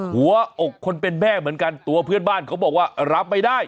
หัวอกคนเป็นแม่เหมือนกันตัวเพื่อนบ้านเขาบอกว่ารับไม่ได้